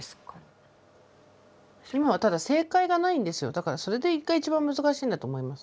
だからそれが一番難しいんだと思います。